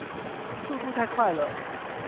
速度太快了